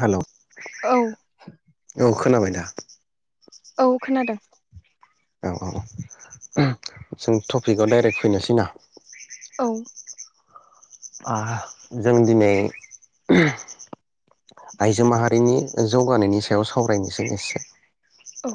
Hello औ औ खोनाबाय दा औ खोनादों औ औ जों टपिकआव डाइरेक्ट फैनोसै ना औ जों दिनै आइजो माहारिनि जौगानायनि सायाव सावरायनोसै एसे औ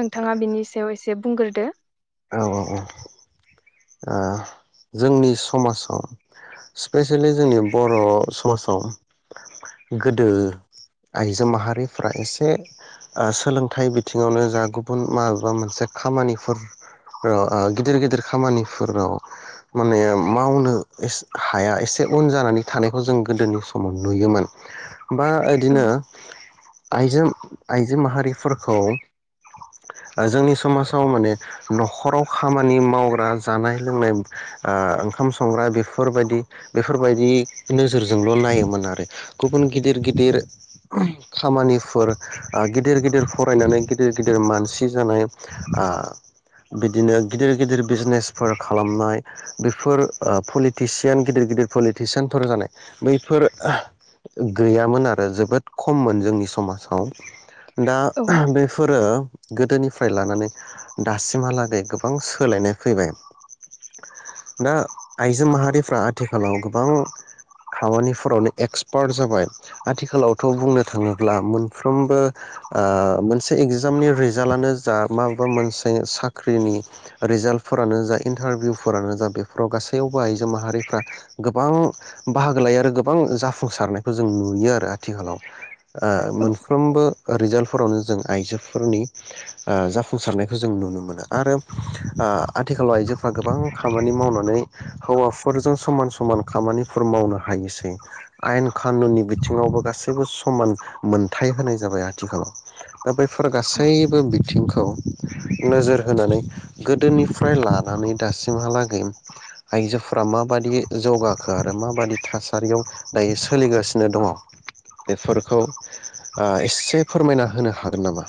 नोंथाङा बिनि सायाव एसे बुंग्रोदो औ औ औ जोंनि समाजाव स्पेसियेलि जोंनि बर' समाजाव गोदो आइजो माहारिफ्रा एसे सोलोंथाइ बिथिङावनो जा गुबुन माबेबा मोनसे खामानिफोर गिदिर गिदिर खामानिफोराव माने मावनो हाया एसे उन जानानै थानायखौ जों गोदोनि समाव नुयोमोन बा औ इदिनो आइजो आइजो माहारिफोरखौ जोंनि समाजाव माने नखराव खामानि मावग्रा जानाय लोंनाय ओंखाम संग्रा बेफोरबायदि बेफोरबायदि नोजोरजोंल नायोमोन आरो गुबुन गिदिर गिदिर खामानिफोर गिदिर गिदिर फरायनानै गिदिर गिदिर मानसि जानाय आ बिदिनो गिदिर गिदिर बिजनेसफोर खालामनाय बेफोर पलिटिसियान गिदिर गिदिर पलिटिसियानफोर जानाय बैफोर गैयामोन आरो जोबोद खममोन जोंनि समाजाव दा औ बेफोरो गोदोनिफ्राय लानानै दासिमहालागै गोबां सोलायनाय फैबाय दा आइजो माहारिफ्रा आथिखालाव गोबां खामानिफोरावनो एक्सपार्ट जाबाय आथिखालावथ बुंनो थाङोब्ला मोनफ्रोमबो मोनसे एगजामनि रिजाल्टानो जा माबा मोनसे दायो साख्रिनि रिजाल्टफोरानो जा इन्टारभिउफोरानो जा बेफोराव गासैयावबो आइजो माहारिफ्रा गोबां बाहागो लायो आरो गोबां जाफुंसारनायखौ जों नुयो आरो आथिखालाव आं औ मोनफ्रोमबो रिजाल्टफोरावनो जों आइजोफोरनि जाफुंसारनाय जों नुनो मोनो आरो आथिखालाव आइजोफोरा गोबां खामानि मावनानै हौवाफोरजों समान समान खामानिफोर मावनो हायोसै आयेन खानुननि बिथिङावबो गासैबो समान मोनथाय होनाय जाबाय आथिखालाव दा बे फोर औ गासैबो बि बिथिंखौ नोजोर होनानै गोदोनिफ्राय लानानै दासिमहालागै आइजोफोरा माबादि जौगाखो आरो माबादि थासारियाव दायो सोलिगासिनो दङ बेफोरखौ एसे फोरमायना होनो हागोन नामा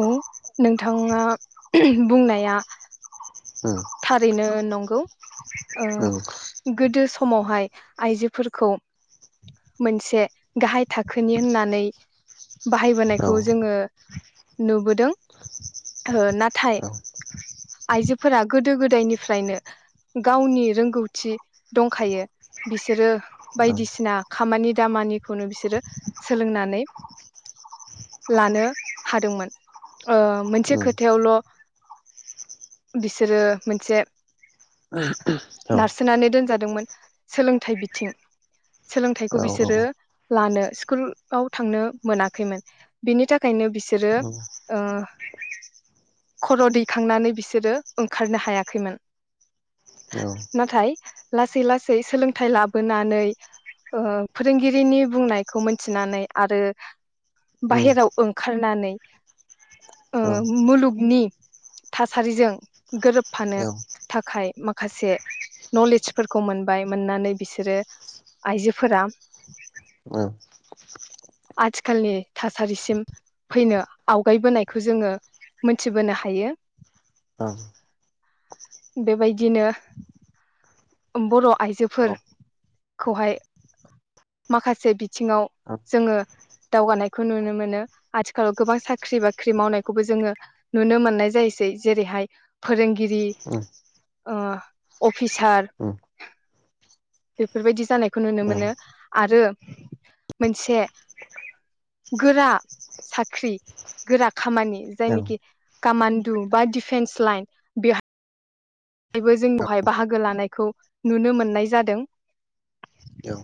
औ नोंथाङा बुंनाया उम थारैनो नंगौ उम गोदो ओ समावहाय आइजोफोरखौ मोनसे गाहाय थाखोनि होननानै औ बाहायबोनायखौ जोङो नुबोदों नाथाय औ आइजोफोरा गोदो गोदायनिफ्रायनो गावनि रोंगौथि दंखायो बिसोरो औ बायदिसिना खामानि दामानिखौनो बिसोरो सोलोंनानै लानो हादोंमोन ओ मोनसे उम खोथायावल' [unintelligible] सोरो मोनसे नारसोनानै दोनजादोंमोन सोलोंथाइ बिथिं सोलोंथाइखौ बिसोरो लानो स्कुलाव आव थांनो मोनाखैमोन बिनि थाख खायनो बिसोरो ओ खर' दैखांनानै बिसोरो ओंखारनो हायाखैमोन नाथाय लासै लासै सोलोंथाइ लाबोनानै ओ फोरोंगिरिनि बुंनायखौ मोनथिनानै आरो बाहेराव ओंखारनानै ओ मुलुगनि थासारिजों गोरोबफानो थाखाय मा खासे नलेजफोरखौ मोनबाय मोननानै बिसोरो आइजोफोरा ओ आथिखालनि थासारिसिम फैनो आवगायबोनायखौ जोङो मोनथिबोनो हायो बेबायदिनो ओम बर' आइजोफोर खौहाय माखासे बि थिङाव जोङो दावगानायखौ नुनो मोनो आथिखालाव गोबां साख्रि बाख्रि मावनायखौबो जोङो नुनो मोननाय जायोसै जेरैहाय फोरोंग गिरि ओ अ फिसार बेफोरबायदि जानाय। खौ नुनो मोनो आरो। मोनसे गोरा साख्रि गोरा खामानि जायनिखि खामान [unintelligible] फेन्स लाइन बिहा बो जों बेवहाय बाहागो लानायखौ नुनो मोननाय जादों। औ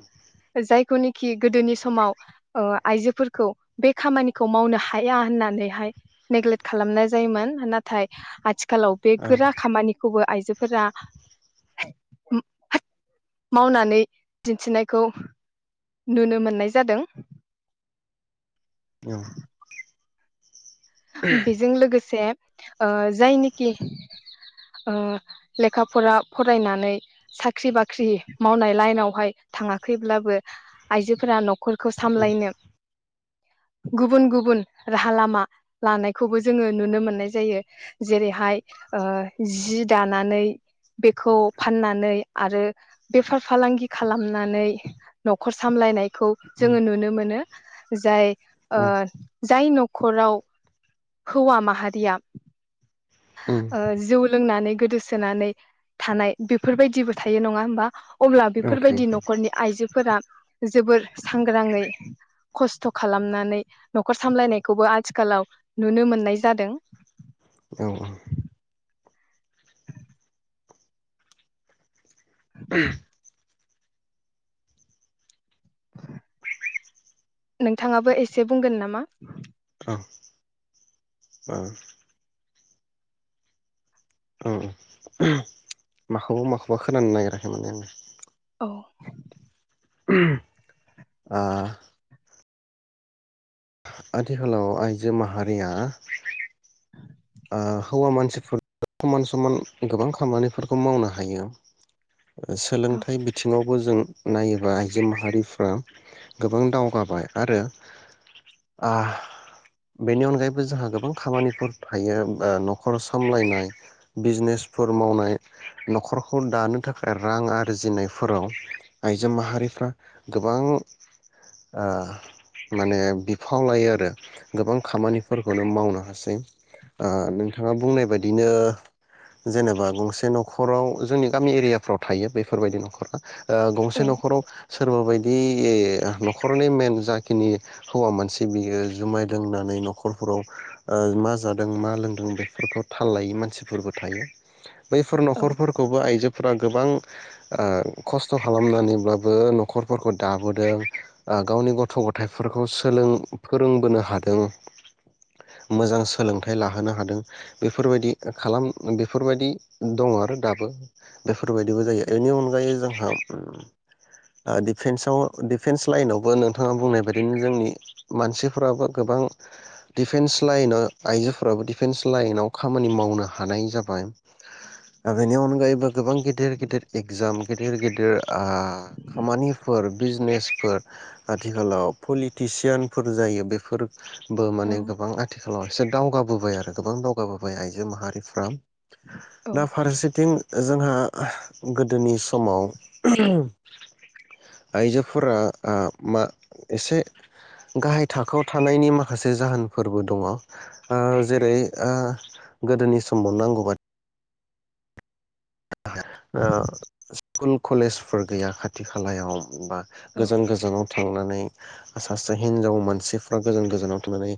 जायखौनिखि गोदोनि समाव आइजोफोरखौ बे खामानिखौ मावनो हाया होननानैहाय नेग्लेक्ट खालामनाय जायोमोन नाथाय आथि खालाव बे गोरा खामानि खौबो आइजोफोरा मावनानै दिन्थिनायखौ नुनो मोननाय जादों। औ। बेजों लोगोसे ओ जायनिखि ओ लेखाफोरा फरायनानै साख्रि बाख्रि मावनाय लाइनावहाय थाङाखैब्लाबो आइजोफोरा न'खर नखरखौ सामलायनो गुबुन गुबुन राहा लामा। लानायखौबो जोङो नुनो मोननाय जायो जेरैहाय ओ जि दानानै बेखौ फाननानै आरो बेफार फालांगि खालामनानै न'खर सामलायनाय खौ जोङो नुनो मोनो। जाय ओ जाय न' न'खराव हौवा माहारिया ओ जौ लोंनानै गोदोसोनानै थानाय बेफोरबायदिबो थायो नङा होमबा? अब्ला बेफोरबायदि न'खरनि आइजोफोरा जोबोर सांग्राङै खस्थ खालामनानै नखर सामलायनायखौबो आथिखालाव नुनो मोननाय जादों औ औ [inaudible] नोंथाङाबो एसे बुंगोन नामा उम औ माखौबा माखौबा खानो नागिराखै माने आङो अ आ आथिखालाव आइजो माहारिया हौवा मानसिफोर समान समान गोबां खामानिफोरखौ मावनो हायो औ सोलोंथाइ बिथिङाव जों नायोबा आइजो माहारिफ्रा गोबां दावगाबाय आरो आ बेनि अनगायैबो जोंहा गोबां खामानिफोर थायो नखर सामलायनाय बिजनेसफोर मावनाय नखरखौ दानो थाखाय रां आरजिनायफोराव आइजो माहारिफ्रा गोबां आ माने बिफाव लायो आरो गोबां खामानिफोरखौनो मावनो हासै ओ नोंथाङा बुंनाय बायदिनो जेनेबा गंसे नखराव जोंनि गामि एरियाफ्राव थायो बेफोरबायदि नखरा गंसे औ नखराव सोरबा बायदि बे नखरनि मेन जाखिनि हौवा मानसि बियो जुमाय लोंनानै नखरफोराव मा जादों मा लोंदों बेफोरखौ थाल लायै मानसिफोरबो थायो बैफोर औ नखरफोरखौबो आयजोफोरा गोबां ओ खस्थ खालामनानैब्लाबो नखरफोरखौ दाबोदों गावनि गथ गथायफोरखौ सोलों फोरोंबोनो हादों मोजां सो सोलोंथाइ लाहोनो हादों बेफोरबायदि खालाम बेफोरबायदि दङ आरो दाबो बेफोरबायदिबो जायो बेनि अनगायै जोंहा दिफेन्साव दिफेन्स लाइनावबो नोंथाङा बुंनाय बायदिनो जोंनि मानसि फोराबो गोबां डिफेन्स लाइना आइजोफोराबो डिफेन्स लाइनाव खामानि मावनो हानाय जाबाय दा बेनि अनगायैबो गोबां गेदेर गेदेर एगजाम गेदेर गेदेर आ खामानिफोर बिजनेसफोर आथिखालाव पलिटिसियानफोर जायो बेफोर बो औ माने गोबां आथिखालाव एसे दावगाबोबाय आरो गोबां दावगाबोबाय आइजो माहारिफ्रा औ ना फारसेथिं जोंहा गोदोनि समाव आइजोफोरा आ मा एसे गाहाय थाखोआव थानायनि माखासे जाहोनफोरबो दङ ओ जेरै ओ गोदोनि समाव नांगौबादि ओ स्कुल कलेजफोर गैया खाथि खालायाव बा औ गोजान गोजानाव थांनानै सासे हिनजाव मानसिफ्रा गोजान गोजानाव थांनानै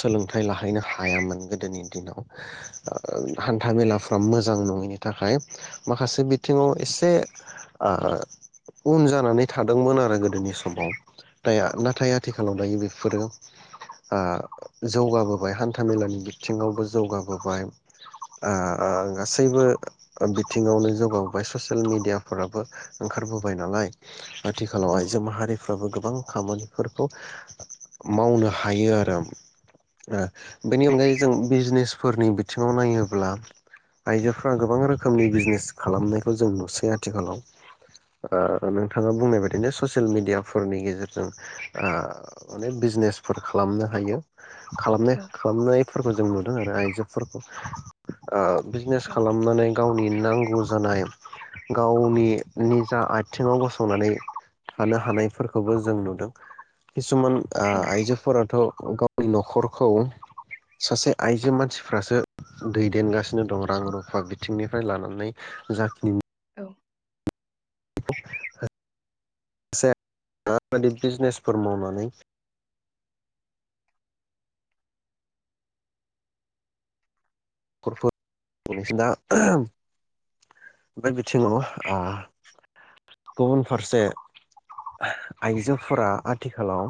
सोलोंथाइ लाहैनो हायामोन गोदोनि दिनाव हान्था मेलाफ्रा मोजां नङैनि थाखाय माखासे बिथिङाव एसे आ उन जानानै थादोंमोन आरो गोदोनि समाव द नाथाय आथिखालाव दायो बेफोरो आ जौगाबोबाय हान्थामेलानि बिथिङावबो जौगाबोबाय आ गासैबो बिथिङावनो जौगाबोबाय ससियेल मिडियाफोराबो ओंखारबोबाय नालाय आथिखालाव औ आइजो माहारिफ्राबो गोबां गोबां खामानिफोरखौ मावनो हायो आरो ओ बेनि अनगायै जों बिजनेसफोरनि बिथिङाव नायोब्ला आइजोफोरा गोबां रोखोम रोखोमनि बिजनेस खालामनायखौ जों नुसै आथिखालाव ओ नोंथाङा बुंनाय बायदिनो ससियेल मेडियाफोरनि गेजेरजों आ माने बिजनेसफोर खालामनो हायो खालामनो खालामनायफोरखौ जों मोन आरो आइजोफोरखौ बिजनेस खालामनानै नांगौ जानाय गावनि निजा आथिङाव गसंनानै थानो हानायफोरखौबो जों नुदों किसुमान आ औ आइजोफोराथ' ग आंनि न'खरखौ सासे आइजो मानसिफ्रासो दैदेनगासिनो दं रां रुफा बिथिंनिफ्राय लानानै जाखिनि औ [unintelligible] न'खर दा बे बिथिङाव [inaudible] गुबुन फारसे आइजोफोरा आथिखालाव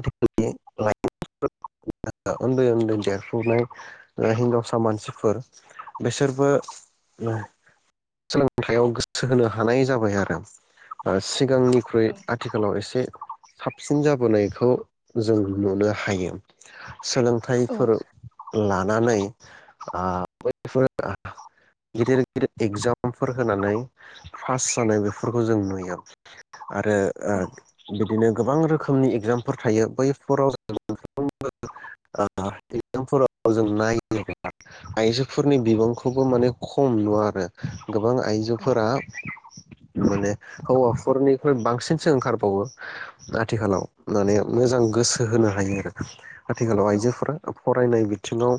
आथिखालनिइ उन्दै उन्दै देरफुनाय ओ हिनजावसान फोर बिसोरबो सोलोंथायाइयाव गोसो होनो हानाय जाबाय आरो सिगांनिख्रुइ आथिखालाव एसे साबसिन जाबोनायखौ जों नुनो हायो। औ सोलोंथाइफोर लानानै नानै अ बफोर गिदिर गिदिर एगजामफोर होनानै पास जानाय बेफोरखौ जों नुयो। आरो आ बिदिनो गोबां रोखोमनि इग्जामफोर थायो बैफोराव जों मोनफ्रोमबो एग्जामफोराव जों नायो। आयजोफोर फोरनि बिबांखौबो माने खम नुवा आरो। [unintelligible] गोबां आइजोफोरा माने हौवाफोरनिख्रुइ बांसिनसो ओंखारबावो आथिखालाव माने मोजां गोसो होनो हायो आरो आथिखालाव औ आइजोफोरा फरायनाय बि थिङाव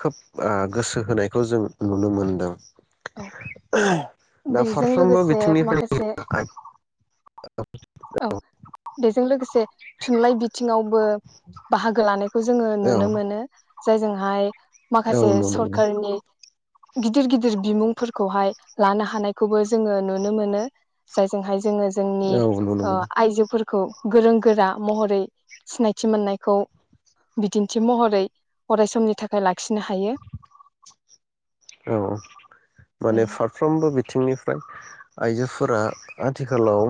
खोब ओ गोसो होनायखौ जों नुनो मोनदों। औ दा बेजों फारफ्रोमबो लोगोसे माखासे बिथिंनिफ्राय [unintelligible] औ बेजों लोगोसे थुनलाइ बिथिङावबो बाहागो लानायखौ जोङो औ नुनो मोनो। जायजोंहाय माखासे नुनो मोनो सरखारारनि गिदिर गिदिर बिमुंफोरखौहाय लानो हानायखौबो जोङो नुनो मोनो जायजोंहाय जोङो औ अ मोनो आइजोफोर खौ गोरों गोरा महरै सिनायथि मोननायखौ बिदिन्थि महरै अराय समनि थाखाय लाखिनो हायो। औ माने फारफ्रोमबो बिथिंनि फ्राय आइजोफोरा आथिखालाव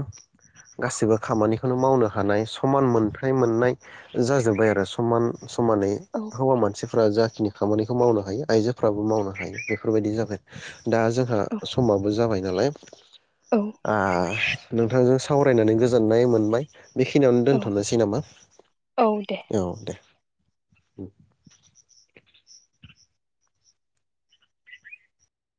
गासैबो खामानिखौनो मावनो हानाय समान मोनथाय मोननाय जाजोब्बाय आरो समान समानै औ हौवा मानसि फोरा जाखिनि खामानिखौ मावनो हायो। आयजोफ्राबो मावनो हायो बेफोरबायदि जाबाय दा जोंहा औ समाबो जाबाय नालाय औ आ नोंथांजों सावरायनानै गोजोननाय मोनबाय बेखिनियावनो औ दोनथ'नोसै नामा औ दे औ दे ओं